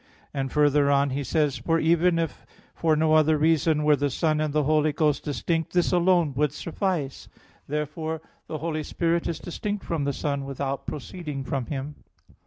And further on he says: "For even if for no other reason were the Son and the Holy Ghost distinct, this alone would suffice." Therefore the Holy Spirit is distinct from the Son, without proceeding from Him.